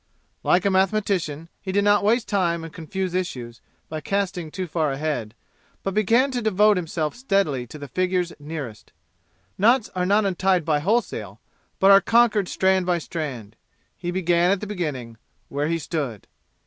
Like a mathematician, he did not waste time and confuse issues by casting too far ahead, but began to devote himself steadily to the figures nearest. Knots are not untied by wholesale, but are conquered strand by strand. He began at the beginning, where he stood.